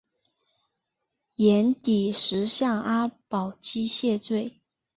寅底石向阿保机谢罪。